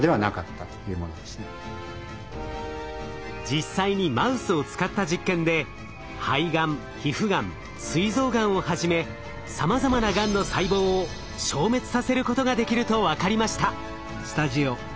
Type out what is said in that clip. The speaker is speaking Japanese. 実際にマウスを使った実験で肺がん皮膚がんすい臓がんをはじめさまざまながんの細胞を消滅させることができると分かりました。